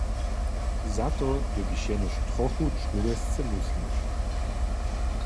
Za to dyrbiš jenož trochu čłowjesce myslić.